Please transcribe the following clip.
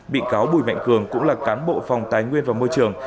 bị cáo bùi mạnh cường cũng là cán bộ phòng tài nguyên và môi trường